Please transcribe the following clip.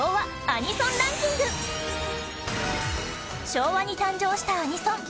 昭和に誕生したアニソン